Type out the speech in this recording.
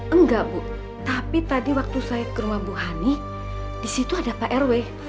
enggak bu tapi tadi waktu saya ke rumah bu hani disitu ada pak rw